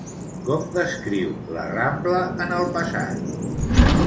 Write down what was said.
Com descriu la Rambla en el passat?